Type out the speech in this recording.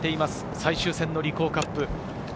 最終戦のリコーカップ。